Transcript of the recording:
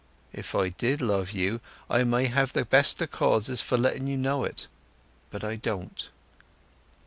If I did love you, I may have the best o' causes for letting you know it. But I don't."